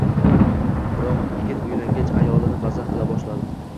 Biroq, yigit uylangach ayolini mazax qila boshladi